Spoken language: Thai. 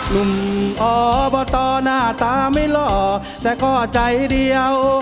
ลุ่มอ่อบ่ต่อหน้าตาไม่หล่อแต่ก็ใจเดียว